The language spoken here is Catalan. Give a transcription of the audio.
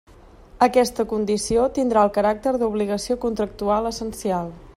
Aquesta condició tindrà el caràcter d'obligació contractual essencial.